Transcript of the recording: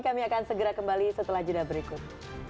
kami akan segera kembali setelah jeda berikut